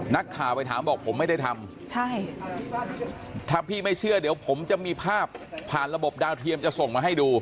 นักข่าวไปถามบอกผมไม่ได้ทำใช่ถ้าพี่ไม่เชื่อเดี๋ยวผมจะมีภาพผ่านระบบดาวเทียมจะส่งมาให้ดู